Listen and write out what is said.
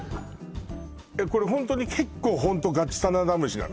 これホントに結構ホントガチサナダムシなの？